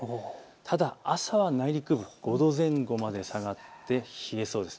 ただ朝は内陸部５度前後まで下がって冷えそうです。